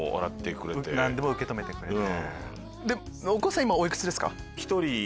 何でも受け止めてくれて。